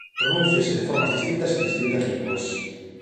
Pronúnciase de formas distintas en distintas linguas.